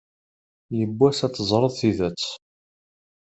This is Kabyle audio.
Yiwwas ad teẓreḍ tidet.